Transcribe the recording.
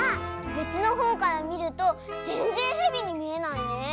べつのほうからみるとぜんぜんヘビにみえないね。